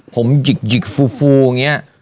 ผมหยิกฟูอย่างนี้